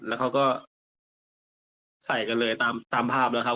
แล้วเขาก็ใส่กันเลยตามภาพแล้วครับ